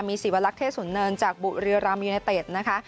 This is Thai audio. มีสีวรักษณ์เทศศูนย์เนินจากบุริยารัมย์ยูเนตเตสนะคะ